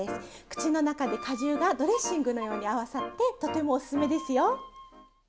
口の中で果汁がドレッシングのように合わさってとてもおすすめですよ。